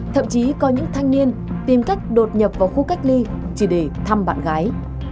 thậm chí có những thanh niên tìm cách đột nhập vào khu cách ly chỉ để thăm bạn gái